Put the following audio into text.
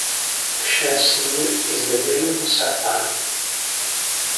Sher Singh is the village Sarpanch.